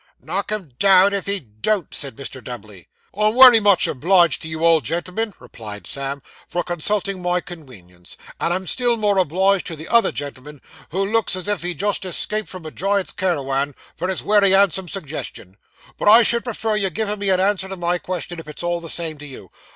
'Knock him down, if he don't,' said Mr. Dubbley. 'I'm wery much obliged to you, old gen'l'm'n,' replied Sam, 'for consulting my conwenience, and I'm still more obliged to the other gen'l'm'n, who looks as if he'd just escaped from a giant's carrywan, for his wery 'andsome suggestion; but I should prefer your givin' me a answer to my question, if it's all the same to you.